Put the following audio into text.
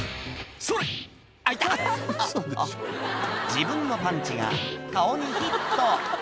自分のパンチが顔にヒット